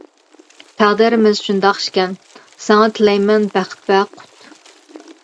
تەقدىرىمىز شۇنداق ئىكەن، ساڭا تىلەيمەن بەخت ۋە قۇت.